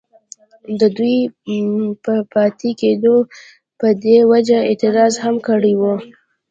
ددوي پۀ پاتې کيدو پۀ دې وجه اعتراض هم کړی وو،